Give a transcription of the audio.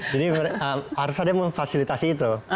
jadi harus ada memfasilitasi itu